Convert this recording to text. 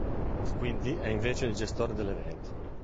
Squiddi è invece il gestore dell'evento.